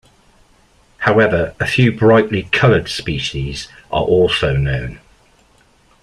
However, a few brightly coloured species are also known.